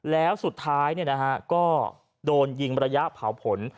แล้วสุดท้ายก็โดนยิงระยะเผาผล